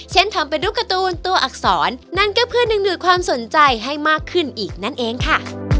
ทำเป็นรูปการ์ตูนตัวอักษรนั่นก็เพื่อดึงดูดความสนใจให้มากขึ้นอีกนั่นเองค่ะ